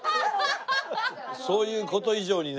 そういう事以上にね